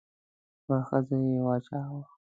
پر ښځې يې واچاوه.